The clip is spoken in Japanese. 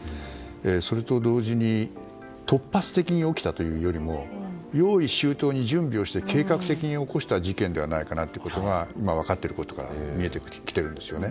それと同時に突発的に起きたというよりも用意周到に準備をして計画的に起こした事件ではないかということが今、分かってることから見えてきてるんですよね。